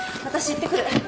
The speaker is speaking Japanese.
私行ってくる。